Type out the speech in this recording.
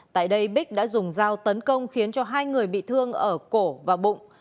tại đây bích đã dùng dao tấn công khiến cho hai người bị thương ở cổ và bụng